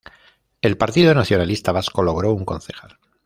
El Partido Nacionalista Vasco logró un concejal.